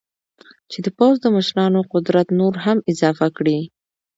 چې د پوځ د مشرانو قدرت نور هم اضافه کړي.